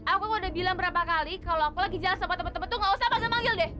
aku mau udah bilang berapa kali kalau aku lagi jalan sama temen temen tuh gak usah manggil deh